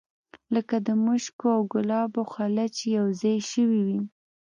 لکه د مشکو او ګلابو خوله چې یو ځای شوې وي.